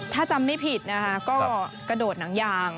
ถ้าจำไม่ผิดนะคะก็กระโดดหนังยาง